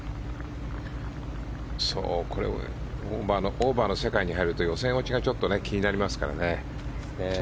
オーバーの世界に入ると予選落ちが気になりますからね。